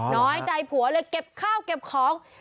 น้อยใจผัวเลยเก็บข้าวเก็บของ